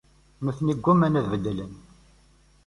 Nutni ggumman ad beddlen.